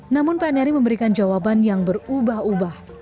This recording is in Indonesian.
namun pnri memberikan jawaban yang berubah ubah